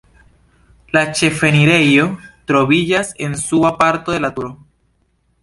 La ĉefenirejo troviĝas en suba parto de la turo.